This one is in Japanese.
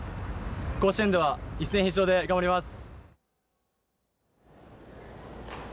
甲子園では一戦必勝で頑張ります。